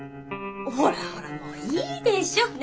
ほらほらもういいでしょ？